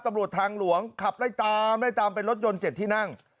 ตำรวจทางหลวงขับไล่ตามไล่ตามเป็นรถยนต์๗ที่นั่ง